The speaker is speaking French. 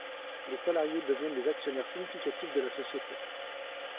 Les salariés deviennent des actionnaires significatifs de la société.